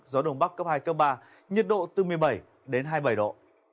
gió đông bắc cấp hai cấp ba nhiệt độ bốn mươi bảy đến hai mươi bảy độ